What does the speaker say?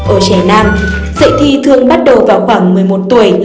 ở trẻ nam dạy thi thường bắt đầu vào khoảng một mươi một tuổi